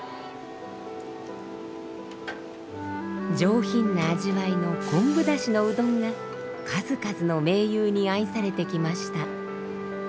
上品な味わいの昆布だしのうどんが数々の名優に愛されてきました。